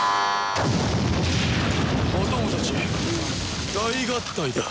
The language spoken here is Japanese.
お供たち大合体だ。